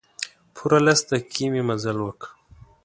پوره لس دقیقې مې مزل وکړ.